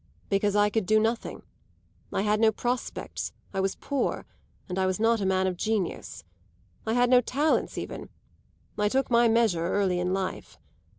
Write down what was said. "Because I could do nothing. I had no prospects, I was poor, and I was not a man of genius. I had no talents even; I took my measure early in life.